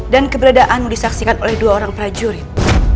dan keberadaanmu disaksikan oleh dua orang prajurit